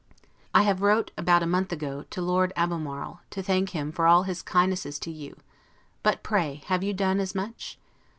I have wrote, about a month ago, to Lord Albemarle, to thank him for all his kindnesses to you; but pray have you done as much?